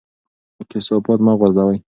کثافات مه غورځوئ.